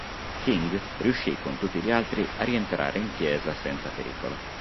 King riuscì con tutti gli altri a rientrare in chiesa senza pericolo.